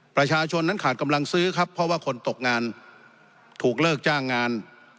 ประชาชนนั้นขาดกำลังซื้อครับเพราะว่าคนตกงานถูกเลิกจ้างงาน